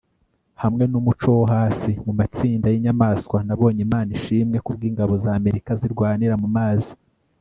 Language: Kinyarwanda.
hamwe numuco wo hasi mumatsinda yinyamanswa nabonye imana ishimwe ku bw'ingabo z'amerika zirwanira mu mazi